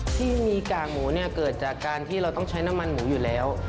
ที่มีกากหมูเนี่ยเกิดจากการที่เราต้องใช้น้ำมันหมูอยู่แล้ว